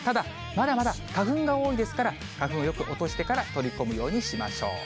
ただ、花粉が多いですから、花粉よく落としてから取り込むようにしましょう。